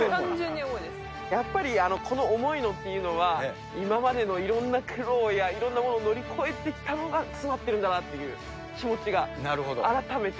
やっぱりこの重いのっていうのは、今までのいろんな苦労やいろんなものを乗り越えてきたのが詰まってるんだなっていう気持ちが改めて。